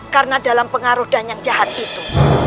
karena dalam pengaruh dan yang jahat itu